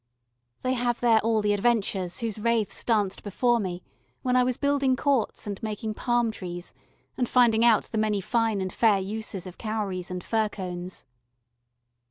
They have there all the adventures whose wraiths danced before me when I was building courts and making palm trees and finding out the many fine and fair uses of cowries and fir cones.